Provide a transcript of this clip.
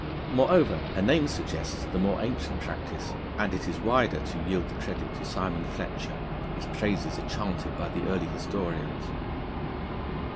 Moreover, her nickname suggests the more ancient practice, and it is wiser to yield the credit to Simon Fletcher, whose praises are chanted by the early historians.